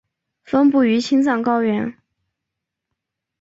分布于青藏高原。